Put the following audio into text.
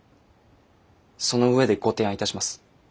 その上でご提案いたします。